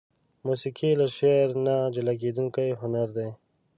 موسيقي له شعر نه جلاکيدونکى هنر دى.